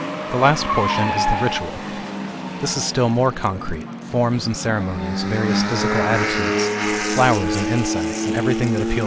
The last portion is the ritual. This is still more concrete, forms and ceremo nies, various physical attitudes, flowers and incense, and everything that appeals to the senses.